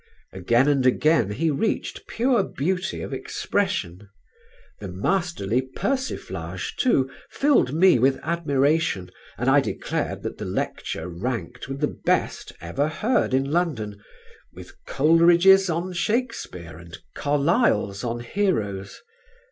Again and again he reached pure beauty of expression. The masterly persiflage, too, filled me with admiration and I declared that the lecture ranked with the best ever heard in London with Coleridge's on Shakespeare and Carlyle's on Heroes.